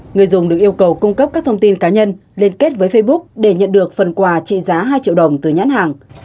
người dùng được yêu cầu cung cấp các thông tin cá nhân liên kết với facebook để nhận được phần quà trị giá hai triệu đồng từ nhãn hàng